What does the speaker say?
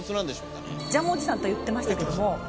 ジャムおじさんと言ってましたけども。